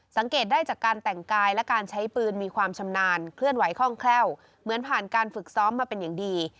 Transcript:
สังเกตได้จากการแต่งกายและการใช้ปืนมีความชำนาญเคลื่อนไหวคล่องแคล่วเหมือนผ่านการฝึกซ้อมมาเป็นอย่างดี